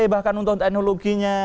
bahkan untuk teknologinya